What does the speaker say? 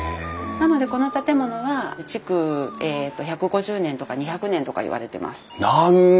なのでこの建物は築１５０年とか２００年とかいわれてます。